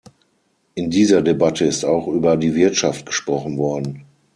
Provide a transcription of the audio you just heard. In dieser Debatte ist auch über die Wirtschaft gesprochen worden.